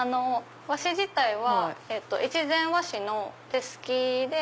和紙自体は越前和紙の手すきで。